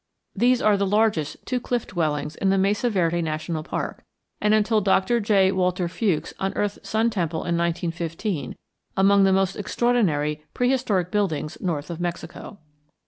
These are the largest two cliff dwellings in the Mesa Verde National Park, and, until Doctor J. Walter Fewkes unearthed Sun Temple in 1915, among the most extraordinary prehistoric buildings north of Mexico.